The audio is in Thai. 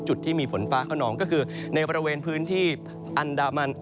จุดที่มีฝนฟ้าขนองก็คือในบริเวณพื้นที่อันดามัน